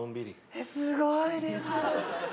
え、すごいです。